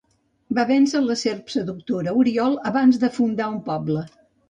Va vèncer la serp seductora Oriol abans de fundar un poble.